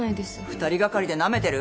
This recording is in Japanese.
２人がかりでナメてる？